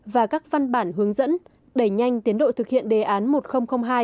và các văn bản hướng dẫn đẩy nhanh tiến độ thực hiện đề án một nghìn hai